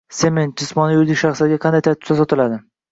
Tsement jismoniy va yuridik shaxslarga qanday tartibda sotiladi?